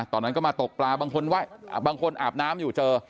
ตอนนั้นก็มาตกปลาบางคนบางคนอาบน้ำอยู่เจอ